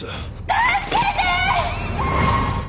助けて！